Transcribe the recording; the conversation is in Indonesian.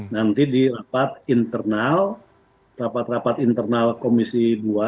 nanti di rapat internal rapat rapat internal komisi dua